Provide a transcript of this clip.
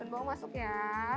daun bawang masuk ya